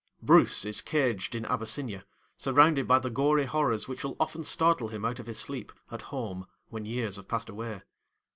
Bruce is caged in Abyssinia, surrounded by the gory horrors which shall often startle him out of his sleep at home when years have passed away.